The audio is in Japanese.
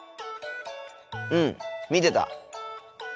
うん見てた。